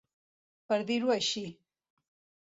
Per dir-ho així.